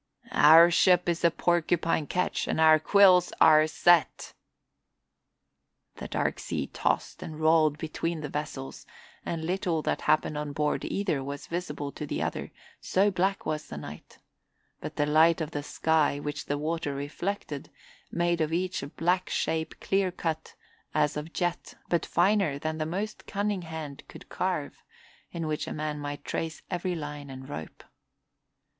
"Our ship is the Porcupine ketch and our quills are set." The dark sea tossed and rolled between the vessels and little that happened on board either was visible to the other, so black was the night; but the light of the sky, which the water reflected, made of each a black shape clear cut as of jet but finer than the most cunning hand could carve, in which a man might trace every line and rope.